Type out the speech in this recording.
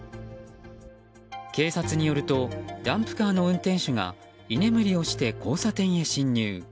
警察によるとダンプカーの運転手が居眠りをして交差点へ進入。